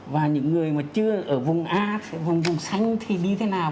và những người mà chưa ở vùng a vùng xanh thì đi thế nào